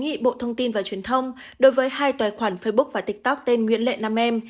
nghị bộ thông tin và truyền thông đối với hai tài khoản facebook và tiktok tên nguyễn lệ nam em